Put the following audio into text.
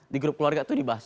di grup keluarga itu dibahas